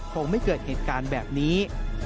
คงไม่เกิดเหตุการณ์แบบนี้